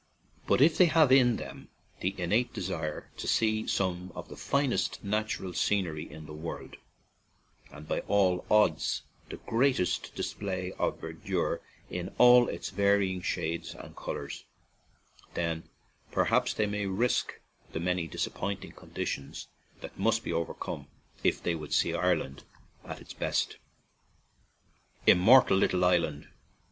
But if they have in them the innate desire to see some of the finest natural scenery in the world, • and by all odds the greatest display of verdure in all its varying shades and colors, then perhaps they may risk the many disappointing conditions that must be overcome if they would see Ireland at its best. " Immortal little island